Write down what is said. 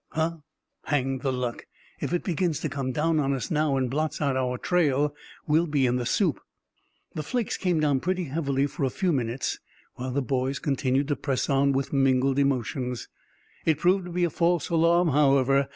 "Huh! Hang the luck, if it begins to come down on us now and blots out our trail, we'll be in the soup!" The flakes came down pretty heavily for a few minutes, while the boys continued to press on with mingled emotions. It proved to be a false alarm, however.